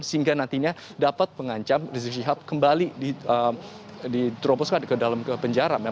sehingga nantinya dapat mengancam rizik syihab kembali diteroboskan ke dalam ke penjara